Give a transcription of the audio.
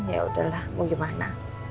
ya udahlah mau gimana